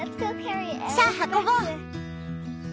さあ運ぼう。